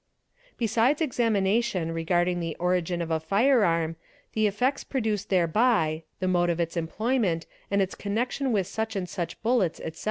Besides examination regarding the origin of a firearm, the effects — produced thereby, the mode of its employment, and its connection with — such and such bullets, etc.